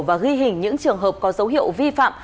và ghi hình những trường hợp có dấu hiệu vi phạm